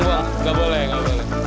masak kena sambal depan